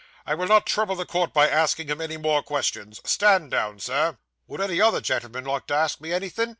I will not trouble the court by asking him any more questions. Stand down, sir.' 'Would any other gen'l'man like to ask me anythin'?